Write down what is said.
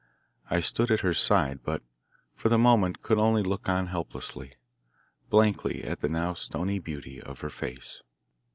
I stood at her side, but for the moment could only look on helplessly, blankly at the now stony beauty of her face.